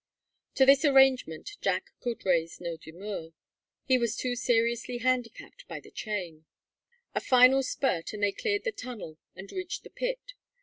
To this arrangement Jack could raise no demur. He was too seriously handicapped by the chain. A final spurt, and they cleared the tunnel and reached the pit.